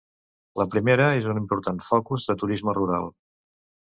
La primera és un important focus de turisme rural.